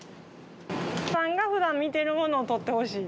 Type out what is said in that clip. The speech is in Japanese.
布川さんが普段見てるものを撮ってほしい。